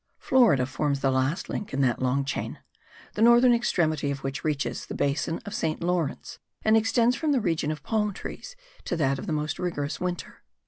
Florida forms the last link in that long chain, the northern extremity of which reaches the basin of St. Lawrence and extends from the region of palm trees to that of the most rigorous winter.